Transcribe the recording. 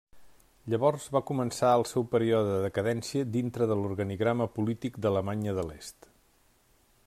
Llavors va començar el seu període de decadència dintre de l'organigrama polític d'Alemanya de l'Est.